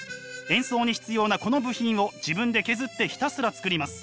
演奏に必要なこの部品を自分で削ってひたすら作ります。